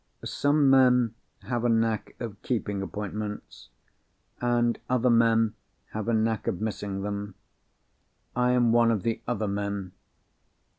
Some men have a knack of keeping appointments; and other men have a knack of missing them. I am one of the other men.